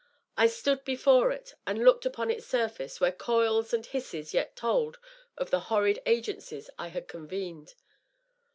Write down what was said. I stood before it, and looked upon its surface, where coils and hisses yet told of the horrid agencies I had convened.